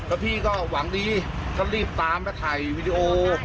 แล้วพี่ก็หวังดีก็รีบตามไปถ่ายวีดีโอ